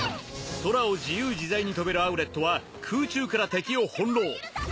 空を自由自在に飛べるアウレットは空中から敵を翻弄。